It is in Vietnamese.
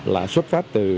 là xuất phát từ